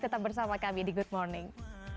tetap bersama kami di good morning